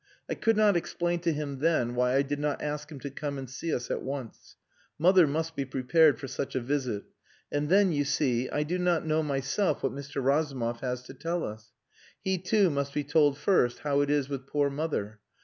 I could not explain to him then why I did not ask him to come and see us at once. Mother must be prepared for such a visit. And then, you see, I do not know myself what Mr. Razumov has to tell us. He, too, must be told first how it is with poor mother.